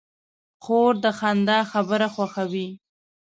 خور د خندا خبره خوښوي.